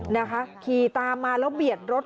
นะคะขี่ตามมาแล้วเบียดรถ